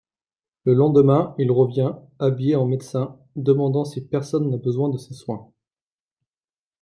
Le lendemain, il revient, habillé en médecin, demandant si personne n'a besoin de ses soins.